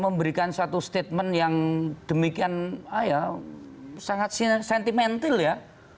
memberikan satu statement yang demikian sangat sentimental ya